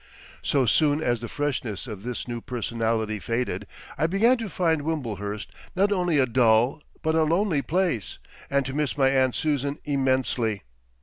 So soon as the freshness of this new personality faded, I began to find Wimblehurst not only a dull but a lonely place, and to miss my aunt Susan immensely.